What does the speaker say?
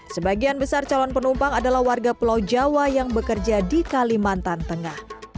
sebagian besar calon penumpang adalah warga pulau jawa yang bekerja di kalimantan tengah